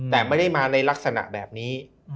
แต่ไม่ได้มาในลักษณะแบบนี้